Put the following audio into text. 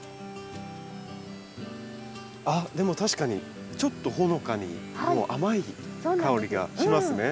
あっでも確かにちょっとほのかに甘い香りがしますね。